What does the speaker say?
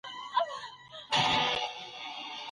علمي تحقیق په پټه نه بدلیږي.